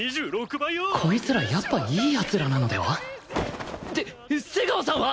こいつらやっぱいい奴らなのでは？って瀬川さんは！？